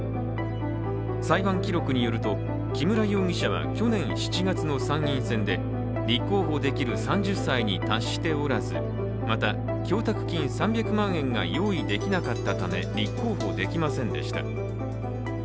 裁判記録によると、木村容疑者は去年７月の参院選で立候補できる３０歳に達しておらずまた、供託金３００万円が用意できなかったため立候補できませんでした。